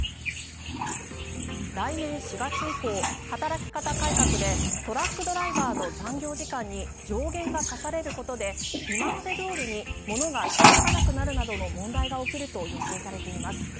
来年４月以降働き方改革でトラックドライバーの残業時間に上限が課されることで今までどおりに物が届かなくなるなどの問題が起きると予想されています。